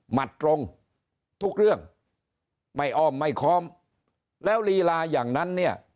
ตรงทุกเรื่องไม่อ้อมไม่ค้อมแล้วลีลาอย่างนั้นเนี่ย